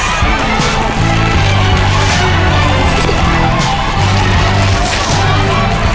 สิบเอ็ดแล้วค่ะ